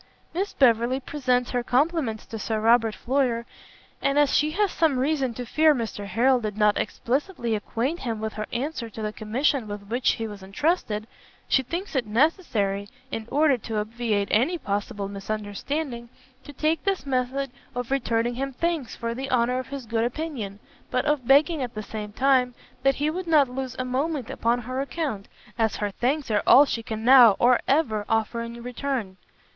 _ Miss BEVERLEY presents her compliments to Sir Robert Floyer, and as she has some reason to fear Mr Harrel did not explicitly acquaint him with her answer to the commission with which he was entrusted, she thinks it necessary, in order to obviate any possible misunderstanding, to take this method of returning him thanks for the honour of his good opinion, but of begging at the same time that he would not lose a moment upon her account, as her thanks are all she can now, or ever, offer in return.